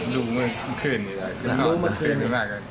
รู้เมื่อคืนอยู่แล้วรู้เมื่อคืนอยู่แล้ว